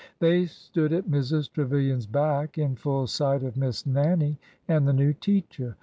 They stood at Mrs. Trevilian's back, but in full sight of Miss Nannie and the new teacher.